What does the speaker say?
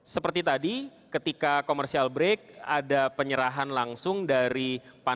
seperti tadi ketika komersial break ada penyerahan langsung dari pansus